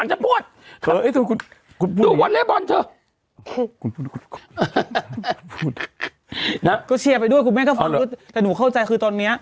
นะก็แชร์ไปด้วยคุณแม่ก็ฟังดูแต่หนูเข้าใจคือตอนเนี้ย